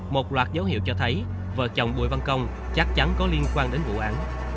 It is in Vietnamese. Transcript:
một loạt dấu hiệu cho thấy vợ chồng bùi văn công chắc chắn có liên quan đến vụ án